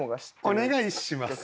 お願いします。